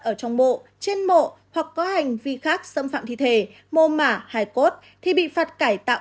ở trong mộ trên mộ hoặc có hành vi khác xâm phạm thi thể mô mả hải cốt thì bị phạt cải tạo